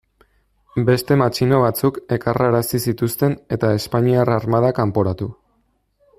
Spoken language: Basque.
Beste matxino batzuk ekarrarazi zituzten, eta espainiar armada kanporatu.